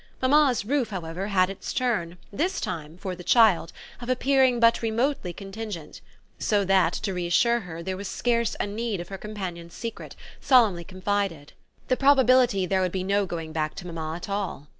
Mamma's roof, however, had its turn, this time, for the child, of appearing but remotely contingent, so that, to reassure her, there was scarce a need of her companion's secret, solemnly confided the probability there would be no going back to mamma at all.